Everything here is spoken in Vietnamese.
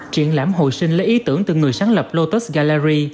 triển lãm hồi sinh lấy ý tưởng từ người sáng lập lotus galari